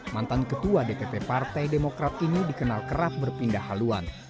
mantan ketua dpp partai demokrat ini dikenal kerap berpindah haluan